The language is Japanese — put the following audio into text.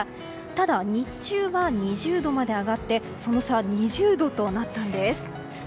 ただ、日中は２０度まで上がってその差、２０度となったんです。